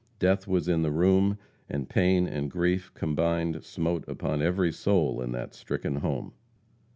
Death was in the room; and pain and grief combined smote upon every soul in that stricken home.